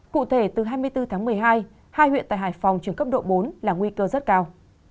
cụ thể từ hai mươi bốn tháng một mươi hai hai huyện tại hải phòng trường cấp độ bốn là nguy cơ rất cao